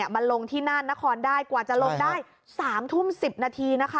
มาลงที่น่านนครได้กว่าจะลงได้๓ทุ่ม๑๐นาทีนะคะ